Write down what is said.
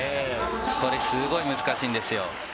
これ、すごい難しいんですよ。